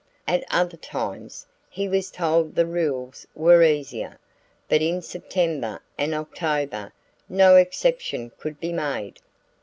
At other times, he was told the rules were easier; but in September and October no exception could be made.